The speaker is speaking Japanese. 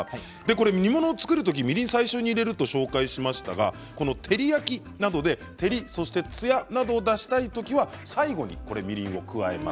煮物を作る時みりんを最初に入れると紹介しましたが照り焼きなどで、照りそして、つやなどを出したい時には最後に加えます。